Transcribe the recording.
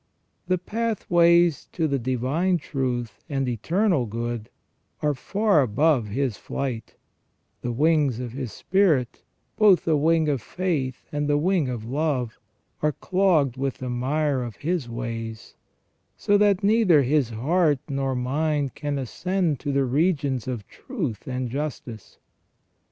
The pathways to the divine truth and eternal good are far beyond his flight ; the wings of his spirit, both the wing of faith and the wing of love, are clogged with the mire of his ways, so that neither his heart nor mind can ascend to the regions of truth and justice.